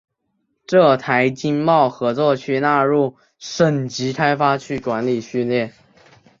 浙台经贸合作区纳入省级开发区管理序列。